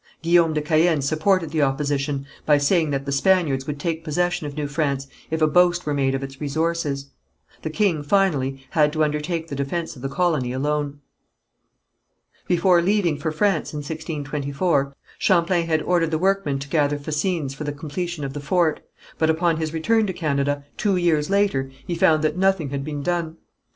Guillaume de Caën supported the opposition by saying that the Spaniards would take possession of New France, if a boast were made of its resources. The king, finally, had to undertake the defence of the colony alone. Before leaving for France in 1624, Champlain had ordered the workmen to gather fascines for the completion of the fort, but upon his return to Canada, two years later, he found that nothing had been done.